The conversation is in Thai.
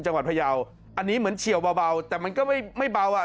จังหวัดพระยาวอันนี้เหมือนเฉียวเบาเบาแต่มันก็ไม่ไม่เบาอ่ะ